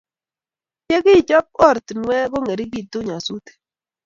Ye kichob oratinwek ,ko ng'ering'itu nyasutik